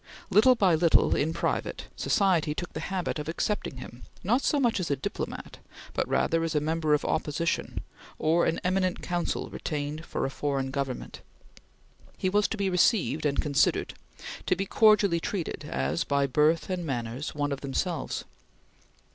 Little by little, in private, society took the habit of accepting him, not so much as a diplomat, but rather as a member of opposition, or an eminent counsel retained for a foreign Government. He was to be received and considered; to be cordially treated as, by birth and manners, one of themselves.